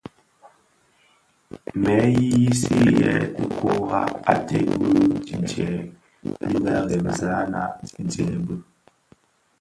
Mè yiyisi yèè ti kurag ated bi dièè dhi biremzèna dièè bi.